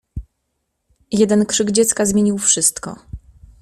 Jeden krzyk dziecka zmienił wszystko.